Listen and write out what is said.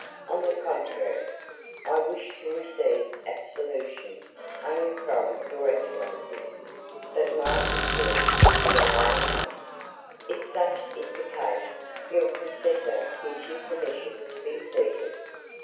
"On the contrary, I wish to receive absolution only from your excellency. But my history will be a long one." "If such is the case, your confessor gives you permission to be seated."